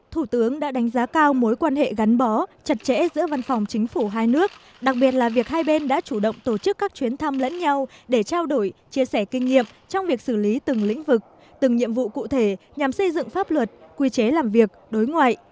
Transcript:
thủ tướng đã đánh giá cao mối quan hệ gắn bó chặt chẽ giữa văn phòng chính phủ hai nước đặc biệt là việc hai bên đã chủ động tổ chức các chuyến thăm lẫn nhau để trao đổi chia sẻ kinh nghiệm trong việc xử lý từng lĩnh vực từng nhiệm vụ cụ thể nhằm xây dựng pháp luật quy chế làm việc đối ngoại